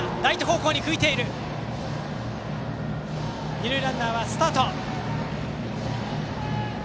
二塁ランナー、スタート。